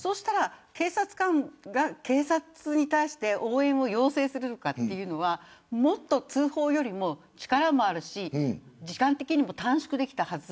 警察官が警察に対して応援を要請するかというのはもっと通報よりも力があるし時間的にも短縮できたはず。